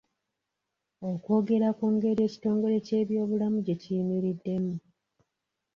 Okwogera ku ngeri ekitongole ky'ebyobulamu gye kiyimiriddemu.